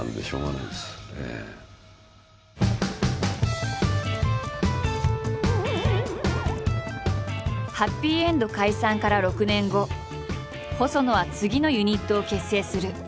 えんど解散から６年後細野は次のユニットを結成する。